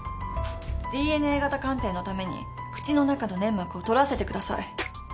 ＤＮＡ型鑑定のために口の中の粘膜を採らせてください。